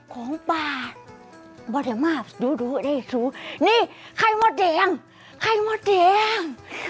ของป่าบริมาฟดูได้ซุนี่ไข่มัวแดงไข่มัวแดง